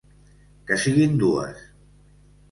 Que siguin dues.